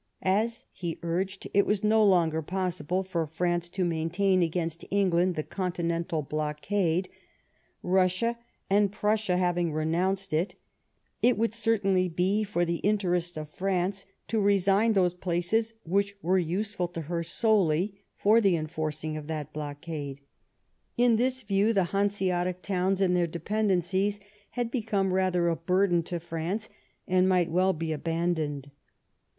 As, he urged, it was no longer possible for France to maintain against England the continental blockade, Russia and Prussia having renounced it, it would certainly be for the interest of France to resign those places which were useful to her solely for the enforcing of that blockade. In this view the Hanseatic towns and their dependencies had become rather a burden to France, and might well be abandoned.